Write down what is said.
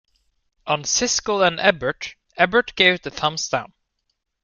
On "Siskel and Ebert", Ebert gave it a Thumbs Down.